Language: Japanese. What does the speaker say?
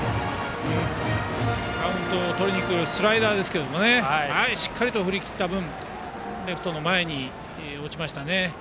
カウントを取りに来るスライダーですけどしっかりと振り切った分レフトの前に落ちましたね。